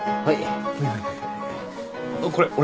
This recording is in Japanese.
はい。